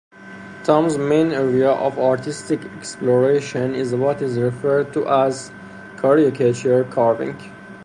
Tom's main area of artistic exploration is what is referred to as Cariacature Carving.